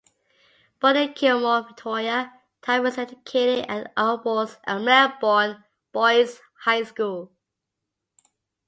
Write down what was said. Born in Kilmore, Victoria, Tyrrell was educated at Orbost and Melbourne Boys' High Schools.